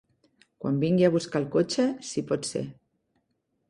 Quan vingui a buscar el cotxe, si pot ser.